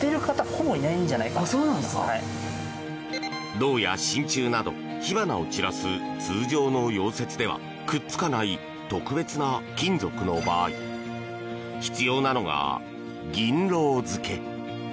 銅や真ちゅうなど火花を散らす通常の溶接ではくっつかない特別な金属の場合必要なのが、銀ロウ付け。